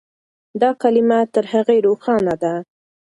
دا کلمه تر هغې روښانه ده.